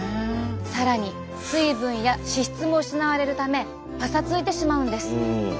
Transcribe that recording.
更に水分や脂質も失われるためパサついてしまうんです。